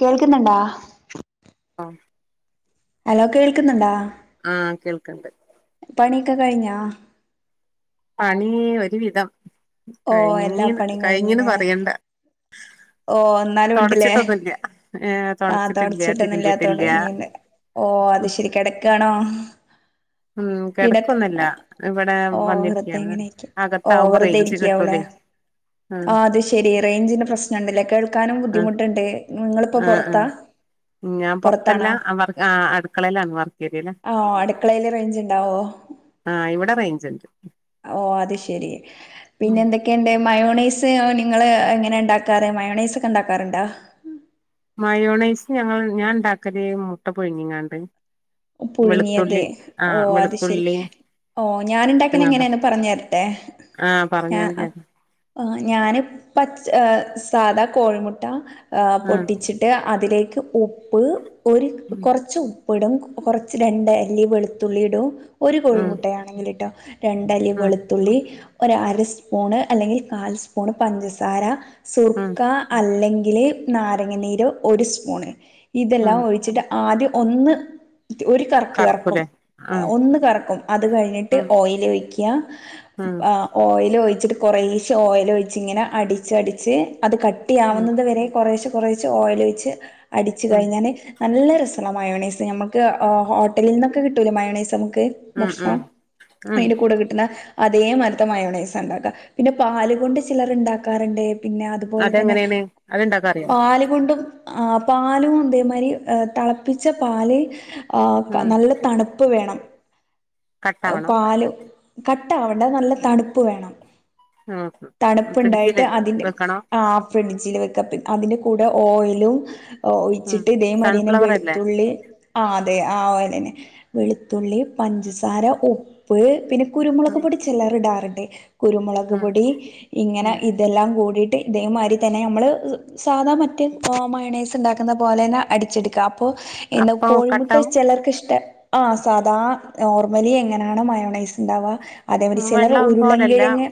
കേൾക്കുന്നൊണ്ടാ ആ അലോ കേൾക്കുന്ന്ണ്ടാ- ക്കണ്ട് പണിയൊക്ക കൈഞ്ഞാ പണീ ഒരുവിധം- ഓ കഴിഞ്ഞീന്ന് കഴിഞ്ഞീന്ന് പറയണ്ടാ ഓഹ് എന്നാലും ഉണ്ട്ല്ലേ ഏഹ് ആ തൊടച്ചിട്ടില്ല തിരുമ്പിട്ടില്ല തൊടച്ചിട്ടൊന്നുല്ലാത്തോണ്ടേ ഓ അതുശെരി കെടക്കാണോ ഉം കിടക്ക് കെടക്കൊന്നുല്ല ഇവിടെ ഓ വെറുതെ വന്നിരിക്കയാണ് ഇങ്ങനെക്കെ ഓഹ് അകത്താവുമ്പോ വെറുതെ റേഞ്ച് ഇരിക്കാ ഓളേ കിട്ടൂലേ ആഹ് അതുശെരി റേഞ്ചിന്റ പ്രശ് ഞണ്ടിലെ കേൾക്കാനും ആഹ് ബുദ്ധിമുട്ടുണ്ടേ നിങ്ങൾ ഇപ്പോ ആഹ് പൊറത്താ ആഹ് ഞാൻ പൊറത്തല്ല പുറത്താണോ വർ ആഹ് അടുക്കളയിലാണ് വർക്ക് ഏരിയയില് ആഹ് അടുക്കളേൽ റേഞ്ച് ഇണ്ട്- ഓ- ആഹ് ഇവിടെ റേഞ്ച് ഇണ്ട്- ഓ അതുശെരി ഉം പിന്നെന്തൊക്കെണ്ട് മയോണൈസ് ഓ നിങ്ങള് എങ്ങനാണ്ടാക്കാറ് മയണൊയ്‌സ്ക്കെ ഇണ്ടാക്കാറുണ്ടോ മയോണൈസ് ഞങ്ങൾ ഞാൻ ഇണ്ടാക്കല് മുട്ട പുഴുങ്ങിങ്ങാണ്ട് പുഴുങ്ങിയത് വെളുത്തുള്ളി ഓ ആഹ് അതുശെരി വെളുത്തുള്ളി ഓ ഞാൻ ഇണ്ടാക്ക്ണെ ഇട്ട്ങ്ങാണ്ട് എങ്ങനാന്ന് പറഞ്ഞുതെരട്ടെ ആഹ് ഞാ പറഞ്ഞാണ് കേക്ക ഞാന് പച്ച സാദാ കോഴി മുട്ട ആഹ് പൊട്ടിച്ചിട്ട് അതിലേക്ക് ഉപ്പ് ഒരു ഉം കൊറച്ച് ഉ പ്പിടും കൊറച്ച് രണ്ടല്ലി വെളുത്തുള്ളിടും ഒരു കോഴി ഉം മുട്ട ആണേല്ട്ടൊ രണ്ടല്ലി ഉം വെളുത്തുള്ളി ഒരു അര സ്പൂണ് അല്ലങ്കിൽ നാല് സ്പൂൺ പഞ്ചസാര ഉം സുർക്ക അല്ലക് ല് നാരങ്ങ നീര് ഒരു സ്പൂൺ ഉം ഇതെല്ലാം ഒഴിച്ചിട്ട് ആദ്യം ഒന്ന് ഒരു കറക്ക് കറക്കും കറക്കൂലേ ഉം ഒന്ന് കറക്കും അതു കഴിഞ്ഞിട്ട് ഉം ഓയിൽ ഒഴിക്ക ഉം ആ ഓയിൽ ഇച്ചിരി കുറേശെ ഓയിൽ ഒഴിച്ചു അടിച്ചടിച്ചു അതു ഉം കാട്ടിയാവുന്നത് വരെ കുറേശെ കുറച്ചേ ഓയിൽ ഒഴിച്ചു അടിച്ചു ഉം കഴിഞ്ഞാൽ നല്ല രസല്ല മയോനയ്സ് നമ്മ ക് ഓട്ടലിനൊക്കെ കിട്ടൂലെ മയോനയ്സ് ക്ക് ഉം ഉം ഭക്ഷണം ഉം അയിന്റെ കൂടെ കിട്ടുന്ന അതേമാതിരിതെ മയോനയ്സ് ഉണ്ടാക്ക പാൽ കൊണ്ട് ചിലർ ഉണ്ടാകാറുണ്ട് പിന്നെ അതു പോലെ തന്നെ അതെങ്ങനെയാണ് അത്ണ്ടാക്കാ അറിയോ പാല് കൊണ്ടും ആ പാലും ഇതേ മാതിരി തിളപ്പിച്ച പാൽ ആ ഉം നല്ല തണുപ്പ് വേണം ഹോ കട്ടാവണം പാലും കട്ടാവണ്ട നല്ല തണുപ്പ് വേണം ഉം തണുപ്പിണ്ടായിട്ട് ഫ്രിഡ്ജില് അതിന്റെ വെക്കണോ ആ ഫിഡ്ജിൽ വെക്ക് കാത് അതിന്റെ കൂടെ ഓയലും ഉം ഒഴിച്ചിട്ട് ഇതെ മാതിരിന്നെ സൺഫ്ലവർ അല്ലേ വെളുത്തുള്ളി ആ അതെ ആ ഒയാൽ തന്നെ വെളുത്തുള്ളി പഞ്ചസാ ര ഉപ്പ് പിന്നെ കുരുമുളക് ഉം പൊടി ചിലർ ഇടാറുണ്ട് കുരുമുളക് ഉം പൊടി ഇങ്ങനെ ഉം ഇതെല്ലാം കൂടീ ഇതേമാതിരി തന്നെ നമ്മൾ സാധ മറ്റേ മയോനയ്സ് ഉണ്ടാകുന്നത് പോലെ അടിച്ചെടുകാം ഹോ അപ്പം കോഴി മുട്ട കട്ടാവും ചിലര്ക് ഇഷ്ട ആ സാദാ നോർമിലി എങ്ങിനെയാണോ മയോനയ്സ് ഉണ്ടാവാ അതെ മാതിരി ചിലർ വെള്ളം ഉരുളം പോലല്ല കിഴങ്ങ്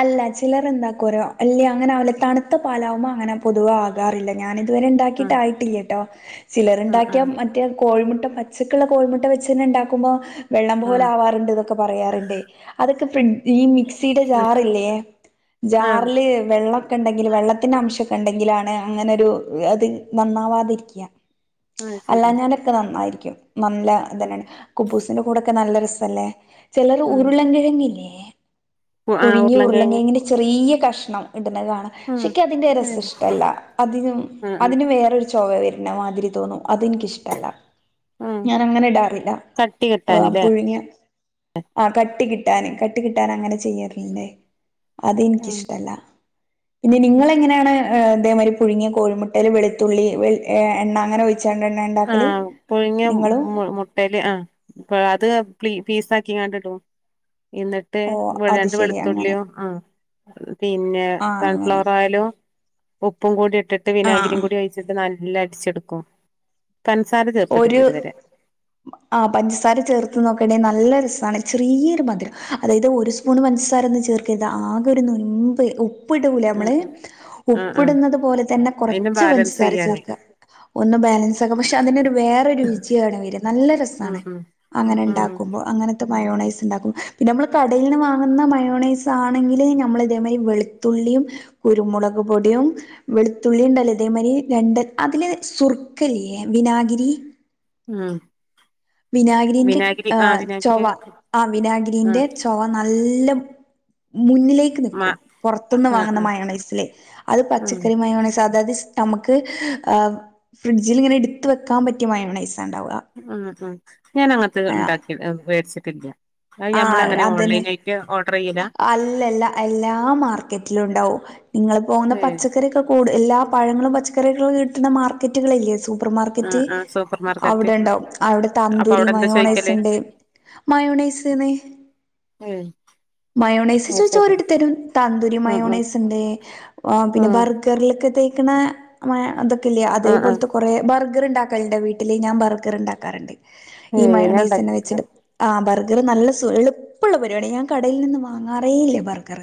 അല്ല ചിലർ എന്താകരോ അല്ലി അങ്ങനവൂല തണുത്ത പാൽ ആവുബോൾ അങിനെ പൊതുവെ ആവാറില്ല ഇതു വരെ ഉം ഉണ്ടാക്കിട്ട് ആയിട്ടില്ലട്ടോ ചിലർ ഉം ഉം ഉണ്ടാക്കിയാൽ മറ്റേ കോഴി മുട്ട പച്ചക്കുള്ള കോഴിമുട്ട വെച് ച്ചന്നെ ഇണ്ടാകുമ്പോ വെള്ളം ഉം പോലെ ആവാറുണ്ട് ന്നൊക്കെ പറയാറുണ്ടേ അതൊക്കെ ഫ്രിഡ് ഈ മിക്സിടെ ഉം ജാറില്ലേ ആഹ് ജാറില് വെള്ളം കെണ്ടെഗില് വെള്ളത്തിന്റെ അംശോക്കേണ്ടെങ്കിലാണ് അങ്ങനൊരു അത് നന്നാവാതിരിക്ക ആഹ് ശരി അല്ലാഞ്ഞലൊക്കെ നന്നായിരിക്കും നല്ല ഉം എന്തിനാണ്‌ കുബൂസ് ന്റെ കൂടൊക്കെ നല്ല രസല്ലേ ചെലര് ഉം ഉരുളൻ കിഴങ്ങില്ലേ ആഹ് പുഴുങ്ങിയ ഉരുളൻ കിഴങ്ങ് കിഴങ്ങിന്റെ ചെറിയ കഷ്ണം ഇടുന്ന കാണാം ഉം പക്ഷെ ക്കിഅതിന്റെ രസം ഇഷ്ടല്ല അതികം ഉം ഉം അതിന് വേറൊരു ചൊവ വരണ മാതിരി തോന്നും അതെനിക്കിഷ്ടല്ല ഉം ഞാനങ്ങനെ ഇടാർ മില്ല കട്ടി ഉം കിട്ടാന്ല്ലേ പുഴുങ്ങിയ ആ കട്ടി കിട് ട്ടാന് കട്ടി കിട്ടാൻ അങ്ങനെ ചെയ്യാറില്ലേ ഉം ഉം അതെനിക്കിഷ്ട്ടല്ല പിന്നെ നിങ്ങള് എങ്ങനാണ് ഏഹ് ഇതേ മാതിരി പുഴുങ്ങിയ കോഴി മുട്ടെല് വെളുത്തുള്ളി വെള് എണ്ണ അങ്ങനെ ഒഴി ആഹ് പുഴുങ്ങിയ മു മുട്ടെല് ആഹ് പ്പോ ത് പ്ലീ പീസാക്കിഅങ്ങാടിടും എന്നിട്ട് ഓ വെള് അത് രണ്ട് ശരി അങ്ങനെ വെളുത്തുള്യാകേ പിന്നെ ആ അങ്ങനെ സൺഫ്ലവർ ഓയിലോ ഉപ്പും കൂടി ഇട്ടിട്ട് ആ ആ വിനാഗിരിം കൂടി ഒഴിച്ചിട്ട് നല് ല്ലാം അടിച്ചെടുക്കോ ഒരു ആ പൻസാര ചേർത്ത് നോക്ക് തിന് നല്ല രസാണ് ചെറിയൊരു മധുരം അതായത് ഒരു സ്പൂണ് പൻസാരൊന്നും ചേർക്കരുത് ആകൊരു നുൻബ് ഉപ് ഉപ്പിടുല്ലേ ഉം നമ്മള് ഉം ആഹ് ആഹ് ഉപ്പിടുന്നത് പോലെ തന്നെ അയിന്റെ കൊറച്ച് ബാലൻസ് പൻസാര ചെയ്യാന് ചേർക്ക ഒന്ന് ബാലൻസ് ആക്കാൻ പക്ഷെ അതിന്റ രു വേറെ രുച്യാണ് വര നല്ല ഉം രസാണ് ഉം അങ്ങനെ ഉം ഇണ്ടാകുമ്പോ അങ്ങനത്തെ മയോണൈസ് ഇണ്ടാക്കും പിന്നെ നമ്മള് കടേന്ന് വാങ്ങുന്ന മയോണൈസ് ആണെകില് നമ്മളിതേ മാതിരി വെളുത്തുള്ളിയും കുരുമുളക് പൊടിയും വെളുത്തുള്ളിണ്ടല്ലോ ഇതേ മാതിരി രണ്ട് അതില് സുർക്ക ഇല്ലേ വിനാഗിരി രി ഉം വിനാഗിരിന്റെ വിനാഗിരി ആ ആഹ് വിനാഗിരി ചൊവ ഒഴിക്കും ആഹ് വിനാഗിരിന്റെ ആഹ് ചൊവ നല്ല മുന്നിലേക്ക്‌ മ നിക്കും പൊറത് ന്ന്‌ ആഹ് വാങ്ങുന്ന ആഹ് മയോണൈസില് അത് ഉം പച്ചക്കറി മയോണൈസാ അതായത് സാ നമ്മുക്ക് ആ ഫ്രിഡ്ജില് ഇങ്ങനെ എടുത്ത് വെക്കാൻ പറ്റിയ മയോണൈസ് ആ ആഹ് ഞാനങ്ങനത്തെ ആഹ് ണ്ടാക്കി വേടിച്ട്ടില്ല അയ് ആഹ് നമ്മളെങ്ങനെ അതന്നെ ഓൺലൈനായിട്ട ഓർ അല്ലല്ല എല്ലാ മാർക്കറ്റിലും ണ്ടാവും. [unintelligible] നിങ്ങൾ പോവുന്ന ഏഹ് പച്ചക്കറിക്കെകൂടെല്ലാം പഴങ്ങളും പച്ചക്കറിയൊക്കെ കിട്ടുന്ന മാർക്കറ്റ്കളില്ലേ സൂ പ്പർ ആഹ് മാർക്കറ്റ് ആഹ് സൂപ്പർ മാർക്കറ്റ് അവടെ ണ്ടാവും അവടെ അപ്പൊ തന്തൂരി അവിടെ എന്താ ചോയ്ക്കല് മയോണൈസ്ണ്ട്, മയോണൈസ്ന്ന് ഏയ് മയോണൈസ് അത് ചോയ്ച്ച ശരി ഒരെട്തെരും തന്തൂരി ഉം ഉം മയോണൈസ്ണ്ട്, പിന്നെ ഉം ബർഗർല് ക്കെ തേക്ക്ണ മയോ അതൊക്കെല്യേ ആഹ് ആഹ് അതേപോലത്തെ കൊറേ ബർ ഗർ ണ്ടാകല്ണ്ടോ വീട്ടിൽ? ഞാൻ ബർഗർ ണ്ടാകാറ്ണ്ട്. ഈ ഏയ് ഞാൻ മയോണൈസെന്നെ ഉണ്ടാക്കിട്ടില്ല വെച്ച്ട് ആ ബർ ഗർ നല്ല സുഖഎളുപ്പള്ള പരിവാടിയാ ഞ കടയിൽനിന്ന് വാങ്ങാറേയില്ല ബർഗർ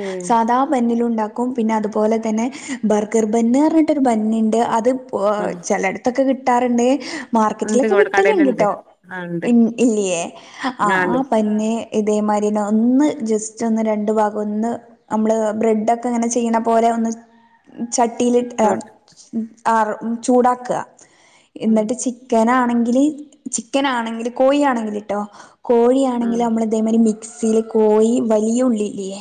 ഉം സാദാ ബന്നിലും ണ്ടാ ക്കും പിന്നത് പോലെ തന്നെ ബർഗർ ബന്ന്ന്ന് പറഞ്ഞിട്ട് ഒരു ബന്ന്ണ്ട് അത് പോ ആഹ് ചെലട്തൊക്കെ കി ട്ടാറ്ണ്ട് ഉണ്ട് മാർക്കറ്റിലൊക്കെ ഇവിടെ കടയിലുണ്ട് കിട്ടല്ണ്ട്ട്ടൊ ആഹ് ഉണ്ട് ഇൻ ഇല്ല്യേ ആ ആഹ് ആ ഉണ്ട് ബന്ന് ഇതേ മാരിയെന്നെ ഒന്ന് ജസ്റ്റൊന്ന് രണ്ട് ഭാഗോന്ന് നമ്മല് ബ്രെഡൊക്കെ ഇങ്ങനെ ചെയ്യണ പോലെ ഒന്ന് ചട്ടീലിട്ട തോട്ട് മ് ആറും മ് ചൂടാക്ക ഉം ഇന്നിട്ട് ചിക്കനാ ണെങ്കിൽ ചിക്കനാണെങ്കിൽ കോഴി ആണെങ്കില് ട്ടൊ കോഴിയാണെങ്കിൽ ഉം നമ്മളെ മിക്സീല് കോയി വലിയ ഉള്ളി ഇല്ല്യേ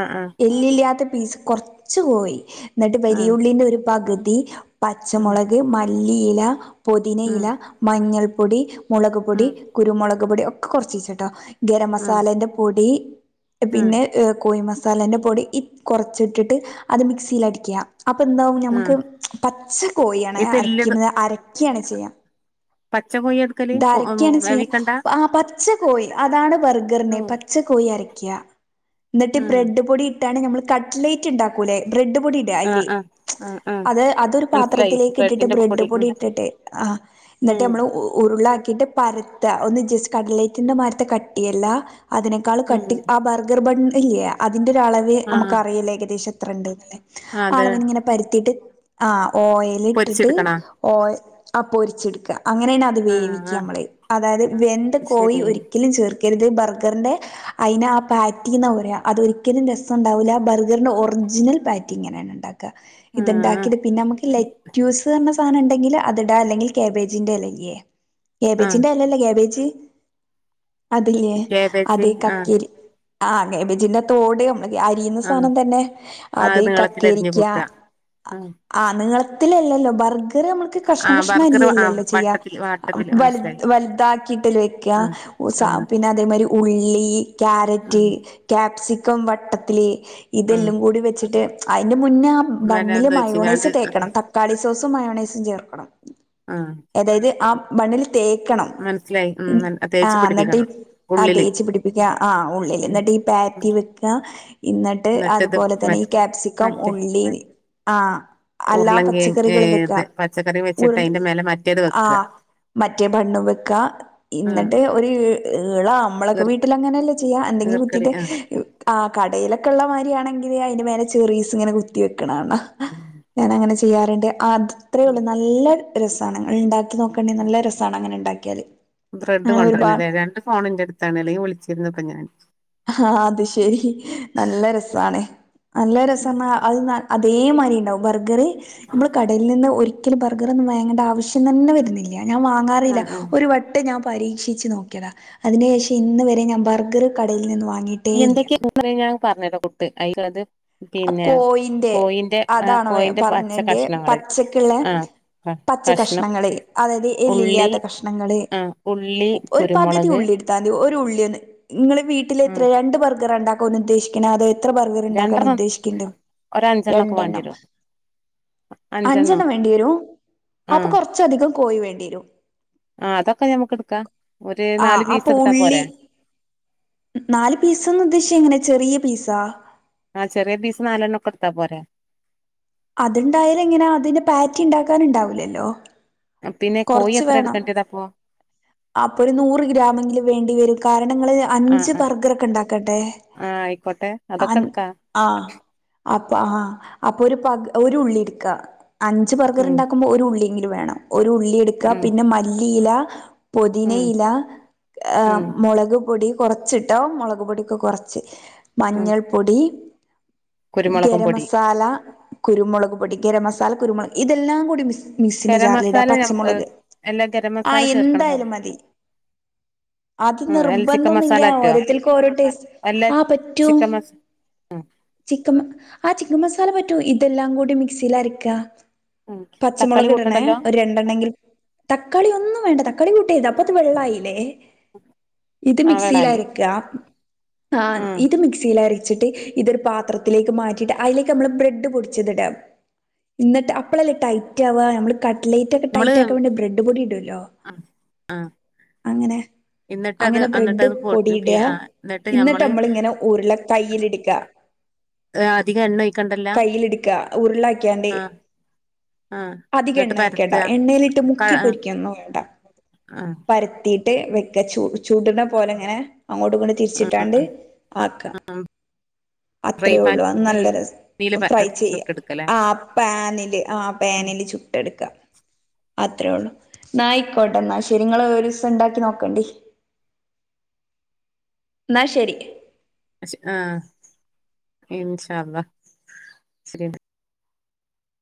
ആഹ് ആഹ് എല്ലില്ലാത്ത പീസ് കൊർച് കോയി ന്ന്ട്ട് വെലിയ ആഹ് ഉള്ളിന്റെ ഒരു പകു തി പച്ച ഉം മൊളക് മ ലീല ഉം പൊതിനയിലാ മഞ്ഞൾ പൊടി മൊളക് പൊടി, ഉം കുരുമൊളക് പൊടി ഒക്കെ കൊറച്ച് വെച്ച്ട്ടോ ഗരം ഉം മസാലന്റെ പൊടി ഉം പിന്നെ കോഴി മസാല മസാലന്റെ പൊടിയി കൊറച്ച് ഇട്ടിട്ട് അത് മിക്സിയിൽ അടിയ്ക്കുക അപ്പോ എന്താകും ആഹ് ഞമ്മക്ക് പച്ച കോഴിയാണേ ഇത് എല്ലത് അരക്കുന്നത് അ രക്കെയാണ് ചെയ്ക പച്ച കോയി എടുക്കല് ഇത് അരക്കെയാണ് വേവിക്കണ്ട ചെയ്കാ ആ പച്ച കോഴി അതാണ് ബർഗറിന് ഉം പച്ചക്കോഴിയാ അര യ്ക്കാ എ ആഹ് ബ്രഡ് പൊടി ഇട്ടിട്ടാണ് നമ്മള് കട്ട് ലൈറ്റ് ഉണ്ടാക്കൂല്ലേ ബ്രഡ് പൊടി ഇടും അയില് ആഹ് ആഹ് ആഹ് അത് അതൊരു മനസ്സിലായി പാത്രത്തിലേക്ക് ഇട്ടിട്ട് ബ്രെഡിന്റെ ബ്രഡ് പൊടി ഉം ഇട്ടിട്ടെ ആ എന്നിട്ട് ഉം നമ്മള് ഉ ഉരുളയാക്കിയിട്ട് പര ട്ട് ഒന്ന് ജസ്റ്റ് കട്ലേറ്റിന്റെമാ തിരത്തെ കട്ടി അല്ല അതിനേക്കാള്ളും കട്ടി ഉം ആ ബർഗർ ബണ്ണ് ഇല്ല അതിന്റെ ഒരു അളവ് നമ്മക്ക് ആഹ് അറിയില്ല ഏകദേശം എത്ര ഉണ്ടെന്നല്ലേ അത് ആണെന്ന് ഇങ്ങനെ പരത്തിയിട്ട് ആ ഓയെല് ഇട്ടിട്ട് പൊരിച്ചെടുക്കണാ ഓയ ആ പൊരിച്ചെടുക്ക അങ്ങനെയാണ് അത് ആഹ് വേവിക്കാ ആഹ് നമ്മള് അതായത് വെന്ത അത് കോഴി ശരി ഒരിക്കലും ചേർ ക്കരുത് ബർഗറിന്റെ അയിന്നാ പാറ്റി ന്നാ പറയ്ക അതൊരിക്കലും രസമൊണ്ടാവില്ല ബർഗറിന്റെ ഒറിജിനൽ പായ്ക്ക് ഇ ങ്ങനെയാണ് ഒണ്ടാക്ക ക്ക ഇത് ആഹ് ഉണ്ടാക്കിയിട്ട് പിന്നെനമ്മക്ക് ലെഗ് ക്യൂസന്ന സാ സാധനം ഉണ്ടെങ്കില് അത് ഇടാം അല്ലെങ്കിൽ കാബേജിന്റെ ഇലയില്ലേ ആഹ് ക്യാബേജിന്റെ ഇല അല്ല ക്യാബേജ് അതിലെ അത് കേബേജ് ആഹ് കക്കില് ആ നബിദിനം തോണിയും മതി അരീന്ന് ആഹ് സാനം തന്നെ ആഹ് അതീ അത് നീളത്തിലരിഞ്ഞ് കക്കിരിക്ക കൂട്ടാ അ ആഹ് ആ നീള ത്തിലല്ലല്ലോ ബർഗർ ഇത് വരെ നമ്മക്ക് കഷ്ണം ആഹ് കഷ്ണം ബർഗർ ആഹ് ആയില്ലല്ലേ ചെയ്യ വട്ടത്തില് വട്ടത്തില് വല് മനസ്സിലായി വല്താക്കിട്ടല്ലേ വെക്ക ആഹ് ഉസാ ആഹ് പിന്നെ അതേമാതിരി ഉള്ളി കാരറ്റ് ആഹ് കാ സി സിങ്കം വട്ടത്തിൽ ആഹ് ഇതെല്ലം കൂടി വച്ചിട്ട് അയിന്ന് മുന്നേ ബണ്ണിൽ മറ്റെന്തോ മയൊനൈസ് വെച്ചിങ്ങാണ്ട് തേക്കണം തക്കാളി സോസും മയോനെൻസ്‌ ഇഞ്ചി ചേർക്കണം ആഹ് അതായത് ആ ബണ്ണിൽ തേക്കണം മനസ്സിലായി ഉം മൻ- ആ തേച്ച് എന്നിട്ട് പിടിപ്പിക്കണം ആ ഉള്ളില് തേച്ച് പിടിപ്പിക്കുക ആ ഉള്ളിൽ ഉം എന്നിട്ട് ഈ ഉം. പാറ്റി വെക് രാ എന്നിട്ട് എന്നിട്ടിത് മ അതുപോലെതന്നെ ഈ കാപ്സിക്കം മറ്റേ ഉള്ളി ആ അല്ലാ ഉരുളങ്കേ ഏ, പച്ചക്കറികളും വെക്കുക. ഇത് പച്ചക്കറി വെച്ചിട്ട് ഉരു അതിന്റെ മേലെ മറ്റേത് ആ വെക്കുക മറ്റേ ബണ്ണും വെക്ക ആഹ് ഇന്നിട്ട് ഒരു ഏ ഏഴോ നമ്മളൊക്കെ ഈർ വീട്ടിൽ അങ്ങനെല്ലേ ചെയ്യാ എന്തെങ്കിലും ഈർക്കലി കുത്തിട്ട് ആഹ് ആ കടേല് ഒക്കെ ഉള്ള കാര്യാണെങ്കിൽ അതിൻ്റെ മേലെ ചെറിസ് ഇങ്ങനെ കുത്തി വെക്കുക ആണ്. ഇങ്ങന്നാണ് ഞാൻ അങ്ങനെ ചെയുക ചെയ്യാറുണ്ട് ആ അത്രേള്ളൂ നല്ലത് രാസാണ് ഇണ്ടാ നോക്കണേ നല്ല രാസാണ് അങ്ങനെ ഉണ്ടാകാൻ വെൽ ബ്രെഡ് കൊണ്ടുവന്നില്ല രണ്ട്ഫോണിന്റെ അടുത്താണ് അല്ലേൽ വിളിച്ചിന്ന് ഇരിരുന്നു പറഞ്ഞാൽ ആ അത് ശരിനല്ല രാസാണ് നല്ല ഉം രസമുള്ള അത് ന്ന അത് ദേ മാതിരി ഇരിക്കും ബഗർ നമ്മൾ കടയിൽ നിന്ന് ഒരി ഒരിക്കൽ ബഗർ വാങ്ങണ്ടേ ആവശ്യം തന്നെ വരുന്നില്ല ആ ഞാൻ വാങ്ങാറില്ല ആഹ് ആഹ് ഒരു വട്ടം ഞാൻ പരീക്ഷിച്ചു നോക്കിയതാ അതിന് ശേഷം ഇന്നുവരെ ഞാൻ ബർഗർ കടയിൽ നിന്ന് വാങ്ങി എന്തൊക്കെ [unintelligible] ഞ്ഞ [inaudible] പറഞ്ഞരാ കുത്ത് ആയില്ലള്ളത് കോഴിന്റെ ആഹ് അതാണ് വേ കോയിന്റെ പച്ച പറഞ്ഞരുന്റെ കഷ്ണങ്ങള് പച്ചക്കുയുള്ള ആഹ് ആഹ് പച്ച കഷ്ണം കഷ്ണങ്ങള് അതായത് ഉള്ളി എല്ലില്ലാത്തത് കഷ്ണങ്ങള്. ആഹ് ഉള്ളി ഒരു പകുതി കുരുമുളക് ഉള്ളി ഇടുത്താൽ മതി ഒരു ഉള്ളി. നിങ്ങൾ വീട്ടിൽ ഉം എത്ര രണ്ടുപേർക്കും രണ്ടാൾക്കും ഉദ്ദേശിക്കുന്നത് എത്ര ബർഗർ ഉണ്ടാകും രണ്ടെണ്ണം ഉദ്ദേശിക്കുണ്ട് ഒരഞ്ചെണ്ണൊക്കെ രണ്ട് എണ്ണം വേണ്ടിവരും അഞ്ചു അഞ്ചെണ്ണം എണ്ണം വേണ്ടി വരോ.. അപ്പോ കൊറച്ചു അധികം കോയിവേണ്ടിവരും ആ അതൊക്കെ നമ്മക്ക് എടുക്കാം. ഒരു ആ നാല് പീസ് അപ്പൊ എടുത്താൽ ഉള്ളി പോരെ നാല് പീസ് ന്ന് ഉദ്ദേശിച്ചത് എങ്ങനെയാ ചെറിയ പീസോ ആ ചെറിയ പീസ് നാലെണ്ണം എടുത്താൽ പോരെ അത് ഇണ്ടായാൽ എങ്ങനെയാ അതിന്റെ ബാറ്റി ഇണ്ടാകാൻ ഉണ്ടാവില്ലല്ലോ പിന്നെ കോയി എത്ര എടുക്കണ്ടേത് അപ്പോ അപ്പോ ഒരു നൂർ ഗ്രാംമെങ്കിലും വേണ്ടി വരും കാരണം ഇങ്ങള് ആഹ് അഞ്ചു ആഹ് ബർഗർ ക്കെ ഇണ്ടാക്കണ്ടേ ആഹ് ആയിക്കോട്ടെ അതൊക്കെ അഞ്ച എടുക്കാ ആ അപ്പോ ആ അപ്പോ ഒരു ഉള്ളിയെടുക അഞ്ചു ബർഗർ ഉം ഉണ്ടാകുമ്പോൾ ഒരു ഉള്ളി വേണം ഒരു ഉള്ളിയെടുക ഉം പിന്നെ മല്ലി ഓ ല്ലിയില ഉം പുതിനായില ഉം മൊളക് പൊടി കൊറച്ചു ട്ടോ മുളക് പൊടിയൊക്കെ കുറച്ചു ഉം മഞ്ഞൾപൊടി കുരുമുളകും പൊടി ഗരംമസാല, കുരുമുളക് ഗരംമസാല, കുരുമുളക് പൊടി ഇത് എല്ലാം മിക്സ്‌ ഗരംമസാല നമ്മ ഗരം മസാല ആഹ് ചേർക്കണം എന്നുണ്ടോ എന്തായാലും മതി. അത് ആഹ് അല്ല ചിക്കൻ നിർബന്ധം ഇല്ല. മസാല പറ്റോ ഓരോരുത്തർക്കും ഓരോ ട്ടേസ്റ്റ് അല്ല അല്ലെ പറ്റും. ചിക്കൻ മസ ആഹ് ചിക്കൻ മസാല പറ്റ ഇതെല്ലാംകൂടി മിക്സിയിൽ അരക്ക ഉം തക്കാളി പച്ചമുളക് ഇടണേ കൂട്ടണ്ടല്ലോ ഒരു രണ്ടെണ്ണങ്കിലും തക്കാളി ഒന്നും വേണ്ട കളി [unintelligible] അത് വെള്ളയിലെ ഇതു ആഹ് മിക്സിയിൽ വേളായി അരക്ക. ആ ഉം ഇത് മിക്സിയിൽ ആര ചിട്ട് ഇത് ഒരു പത്രത്തിലേക്ക് മാറ്റിയിട്ട് അതിലേക്ക് ബ്രെഡ്‌ പോ ടിച്ചത് ഇടാ. അപ്പോ അല്ലെ ടൈറ്റ് ആവ കടലൈറ്റ് നമ്മള് ടൈറ്റ് ആക്കാൻ വേണ്ടി ബ്രെഡ് പൊടി ഇടോല്ലോ ആ ഹ് അങ്ങനെ - അങ്ങനെ ബ്രെഡ് പൊ പി പൊടിയിടുക ആഹ് എന്നിട്ട് ഞമ്മള് നമ്മൾ ഇങ്ങനെ ഉരുള കയ്യിലെടുക്കുക ഏഹ് അധികം എണ്ണ ഒഴിക്കണ്ടല്ല കയ്യിലെടുക്കുക ഉരുള വെക്കാൻ ആഹ് ആഹ് അധികം എന്നിട്ട് എണ്ണ ഒഴിക്കണ്ട പരത്ത എണ്ണയിലിട്ട് ക മുക്കി ആഹ് പൊരിക്കുക ഒന്നും വേണ്ട- ആഹ് പരത്തി- എന്നിട്ട് വെക്കുക ചുടു ചുടുണ പോലിങ്ങനെ- അങ്ങോട്ടുമിങ്ങോട്ടും ആഹ് തിരിച്ചിട്ടാണ്ട് ആഹ് ആക്കുക ഫ്രൈ അത്രയേ ഉള്ളൂ അത് നല്ല പാനില് രസം പ ഫ്രൈ ചെയ്യുക ചുട്ടെടുക്കലേ ആ പാനില് പാനില് ചുട്ടെടുക്കുക- അത്രേയുള്ളൂ ന്നാ ആയിക്കോട്ടെ ന്നാ ശ ഇത് നിങ്ങള് ഒരു സെന്റാക്കി നോക്കണ്ടി ന്നാ ശരി ആ ഇൻഷാ അള്ളാ [unintelligible]